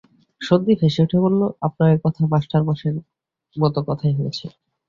সন্দীপ হেসে উঠে বললে, আপনার এ কথা মাস্টারমশায়ের মতো কথাই হয়েছে।